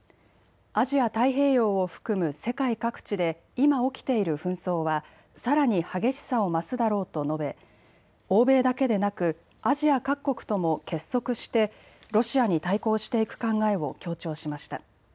アジア太平洋を含む世界各地で今起きている紛争はさらに激しさを増すだろうと述べ欧米だけでなくアジア各国とも結束してロシアに対抗していく考えを強調しました。